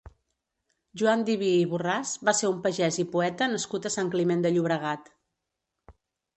Joan Diví i Borràs va ser un pagès i poeta nascut a Sant Climent de Llobregat.